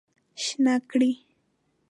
شنه کړی